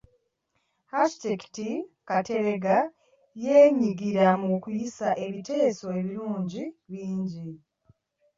Architect Kateregga yeenyigira mu kuyisa ebiteeso ebirungi bingi.